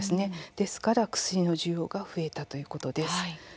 なので薬の需要が増えたということです。